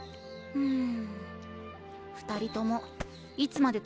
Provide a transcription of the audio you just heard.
うん？